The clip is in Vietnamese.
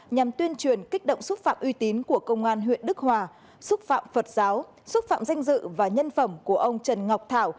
nhằm tuyên truyền kích động xúc phạm uy tín của công an huyện đức hòa xúc phạm phật giáo xúc phạm danh dự và nhân phẩm của ông trần ngọc thảo